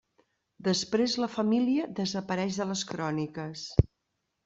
Després la família desapareix de les cròniques.